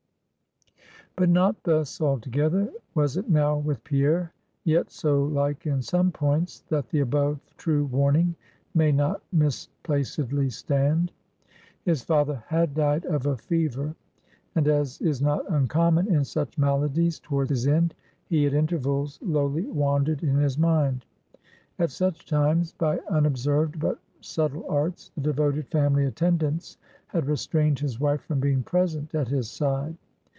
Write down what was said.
But not thus, altogether, was it now with Pierre; yet so like, in some points, that the above true warning may not misplacedly stand. His father had died of a fever; and, as is not uncommon in such maladies, toward his end, he at intervals lowly wandered in his mind. At such times, by unobserved, but subtle arts, the devoted family attendants, had restrained his wife from being present at his side.